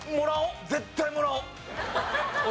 絶対もらおう。